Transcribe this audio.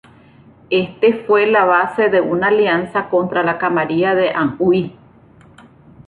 Este fue la base de una alianza contra la camarilla de Anhui.